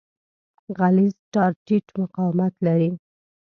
غلیظ تار ټیټ مقاومت لري.